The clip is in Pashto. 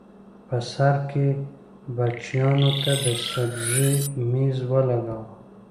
بر سر کې بچیانو ته د سبزۍ مېز ولګاوه